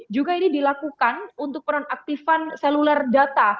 juga ini dilakukan untuk penonaktifan seluler data